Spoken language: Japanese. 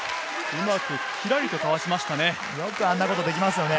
うまく、ひらりとかわしましたね。